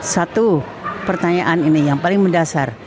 satu pertanyaan ini yang paling mendasar